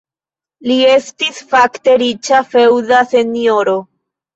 Li estis fakte riĉa feŭda senjoro.